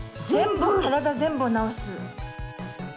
体全部を治す。